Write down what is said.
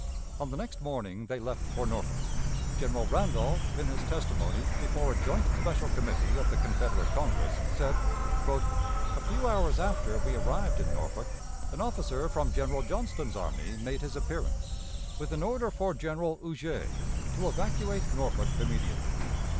On the next morning they left for Norfolk. General Randolph, in his testimony before a joint special committee of the Confederate Congress, said: "A few hours after we arrived in Norfolk, an officer from General Johnston's army made his appearance, with an order for General Huger to evacuate Norfolk immediately.